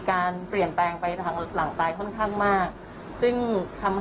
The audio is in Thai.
การเปลี่ยนแปลงหลังใต้ค่อนข้างมากซึ่งทำ